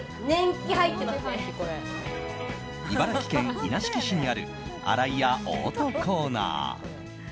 茨城県稲敷市にあるあらいやオートコーナー。